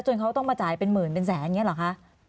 เขาต้องมาจ่ายเป็นหมื่นเป็นแสนอย่างนี้เหรอคะ